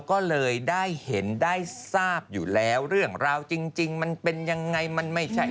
ไม่ทราบอยู่แล้วเรื่องราวจริงมันเป็นยังไงมันไม่ใช่